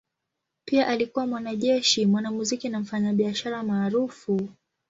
Pia alikuwa mwanajeshi, mwanamuziki na mfanyabiashara maarufu.